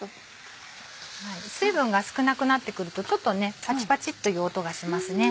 水分が少なくなってくるとちょっとねパチパチっていう音がしますね。